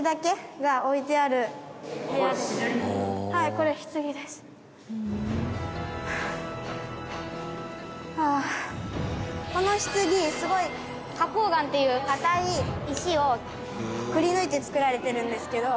ここはこの棺すごい花崗岩っていう硬い石をくりぬいて作られてるんですけど。